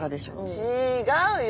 違うよ